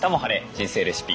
人生レシピ」